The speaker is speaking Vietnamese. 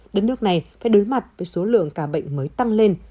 đất nước này phải đối mặt với số lượng ca bệnh mới tăng lên